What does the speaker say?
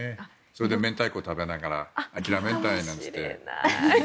それで明太子を食べながらあきらめんたいなんて言って。